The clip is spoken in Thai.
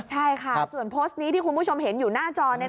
ใช่ค่ะส่วนโพสต์นี้ที่คุณผู้ชมเห็นอยู่หน้าจอ